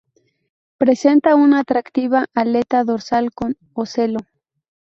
Presenta una atractiva aleta dorsal con ocelo.